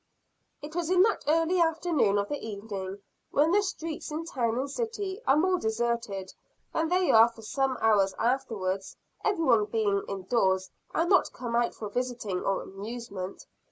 It was in that early hour of the evening, when the streets in town and city, are more deserted than they are for some hours afterwards; everyone being indoors, and not come out for visiting or amusement.